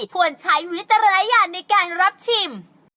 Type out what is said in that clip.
ควรใช้วิจารณญาณในการรับชิม